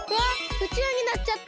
うちわになっちゃった！